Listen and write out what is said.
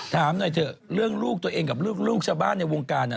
ถามหน่อยเถอะเรื่องลูกตัวเองกับลูกชาวบ้านในวงการ